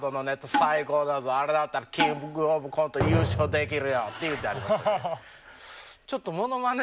最高だぞあれだったらキングオブコント優勝できるよって言うてはりましたね